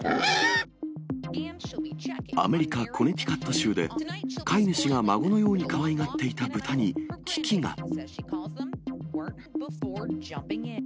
アメリカ・コネティカット州で飼い主が孫のようにかわいがっていた豚に危機が。